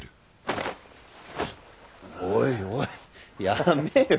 ちょおいおいやめよ。